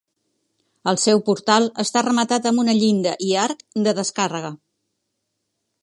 El seu portal està rematat amb una llinda i arc de descàrrega.